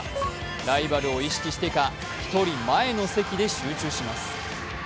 ライバルを意識してか１人前の席で集中します。